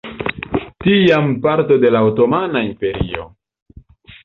Tiam parto de la otomana imperio.